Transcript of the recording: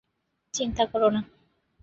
চিন্তা করো না।